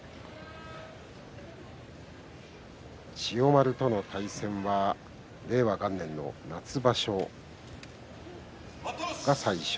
千代丸との対戦は令和元年の夏場所が最初。